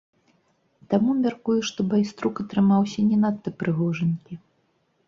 Таму мяркую, што байструк атрымаўся не надта прыгожанькі.